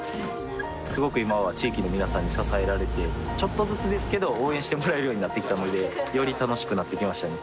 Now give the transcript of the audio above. すごく今は地域の皆さんに支えられてちょっとずつですけど応援してもらえるようになってきたのでより楽しくなってきましたね